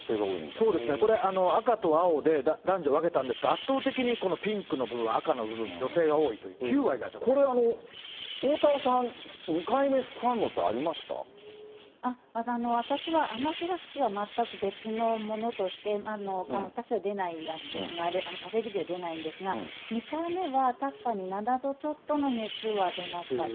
そうですね、これ、赤と青で男女分けたんですが、圧倒的にこのピンクの部分、赤の部分、女性が多いという、これ、おおたわさん、２回目、私は、アナフィラキシーは全く別のものとして、私は出ないんですが、アレルギーは出ないんですが、２回目は確かに７度ちょっとの熱は出ました。